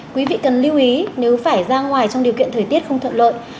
quý vị cần lưu ý nếu phải ra ngoài trong điều kiện thời tiết không thuận lợi